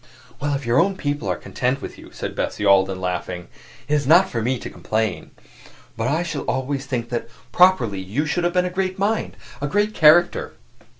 "Well, if your own people are content with you," said Bessie Alden, laughing, "it is not for me to complain. But I shall always think that, properly, you should have been a great mind a great character."